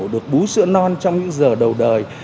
được bú sữa non trong những giờ đầu đời